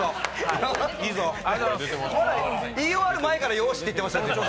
言い終わる前からよーしって言ってました。